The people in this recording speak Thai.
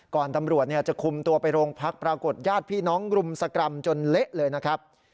ตำรวจจะคุมตัวไปโรงพักปรากฏญาติพี่น้องรุมสกรรมจนเละเลยนะครับ